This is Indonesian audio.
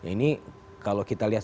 ini kalau kita lihat